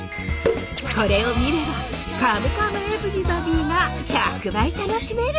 これを見れば「カムカムエヴリバディ」が１００倍楽しめる！